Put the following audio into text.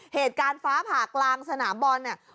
เหตุการณ์ฟ้าผ่ากลางสนามบอลเนี่ย